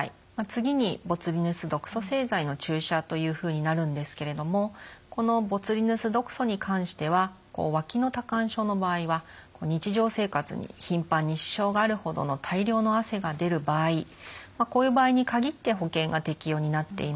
次にボツリヌス毒素製剤の注射というふうになるんですけれどもこのボツリヌス毒素に関してはわきの多汗症の場合は日常生活に頻繁に支障があるほどの大量の汗が出る場合こういう場合に限って保険が適用になっています。